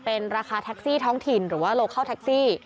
เป็นราคาแท็กซี่ท้องถิ่นหรือว่าโลเคิลแท็กซี่